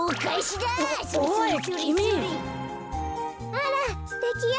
あらすてきよ